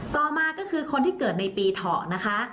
ต่อมาก็คือคนที่เกิดในปีเถาะนะคะ